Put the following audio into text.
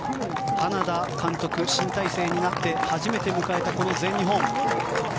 花田監督、新体制になって初めて迎えたこの全日本。